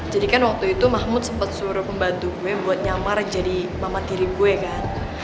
jadi kan waktu itu mahmud sempet suruh pembantu gue buat nyamar jadi mama tiri gue kan